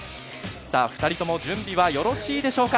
２人とも準備はよろしいでしょうか。